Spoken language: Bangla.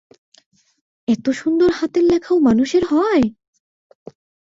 এত সুন্দর হাতের লেখাও মানুষের হয়!